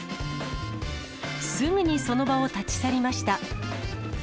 すぐにその場を立ち去りました。